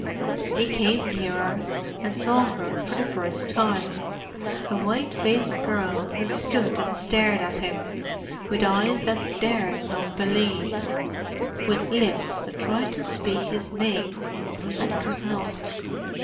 He came nearer, and saw her for the first time—a white faced girl who stood and stared at him with eyes that dared not believe—with lips that tried to speak his name, and could not.